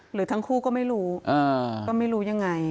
หรือทั้งคู่ก็ไม่รู้ก็ไม่รู้ยังไง